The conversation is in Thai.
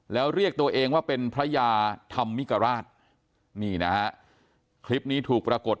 แล้วเรียกตัวเองว่าเป็นพระยาธรรมมิกราชนี่นะฮะคลิปนี้ถูกปรากฏ